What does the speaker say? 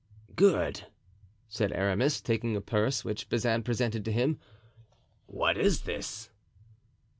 "Good," said Aramis, taking a purse which Bazin presented to him. "What is this?"